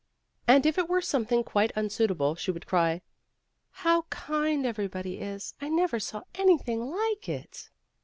And if it were something quite unsuitable she would cry, "How kind everybody is. I never saw any thing like it.